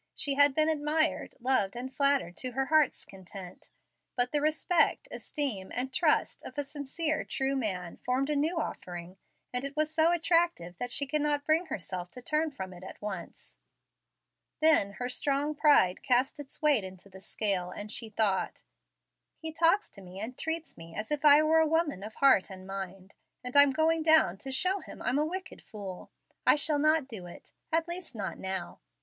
She had been admired, loved, and flattered to her heart's content, but the respect, esteem, and trust of a sincere, true man formed a new offering, and it was so attractive that she could not bring herself to turn from it at once. Then her strong pride cast its weight into the scale, and she thought: "He talks to me and treats me as if I were a woman of heart and mind, and I'm going down to show him I'm a wicked fool. I shall not do it, at least not now.